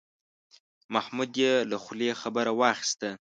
محمود یې له خولې خبره واخیسته.